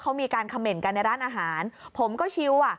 เขามีการเขม่นกันในร้านอาหารผมก็ชิวอ่ะ